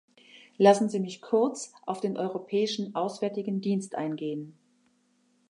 Lassen Sie mich kurz auf den Europäischen Auswärtigen Dienst eingehen.